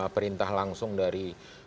perintah langsung dari